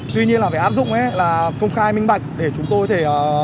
tuy nhiên là phải áp dụng là công khai minh bạch để chúng tôi có thể